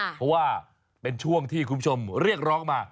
เพราะว่าเป็นช่วงที่คุณผู้ชมเรียกร้องมา